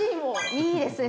いいですね。